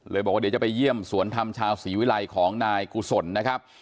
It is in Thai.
บอกว่าเดี๋ยวจะไปเยี่ยมสวนธรรมชาวศรีวิลัยของนายกุศลนะครับ